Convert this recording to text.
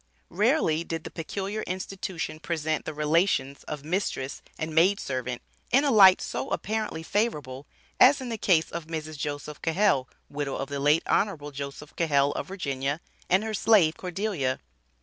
Rarely did the peculiar institution present the relations of mistress and maid servant in a light so apparently favorable as in the case of Mrs. Joseph Cahell (widow of the late Hon. Jos Cahell, of Va.), and her slave, Cordelia.